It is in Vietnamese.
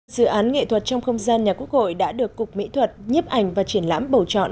dự án nghệ thuật trong không gian nhà quốc hội đã được cục mỹ thuật nhếp ảnh và triển lãm bầu chọn